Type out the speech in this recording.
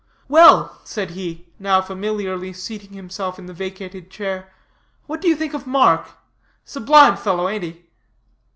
"Well" said he, now familiarly seating himself in the vacated chair, "what do you think of Mark? Sublime fellow, ain't he?"